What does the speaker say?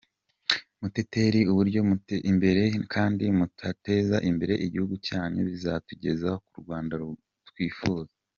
Mutekereze uburyo muziteza imbere kandi munateza imbere igihugu cyanyu, bizatugeza ku Rwanda twifuza.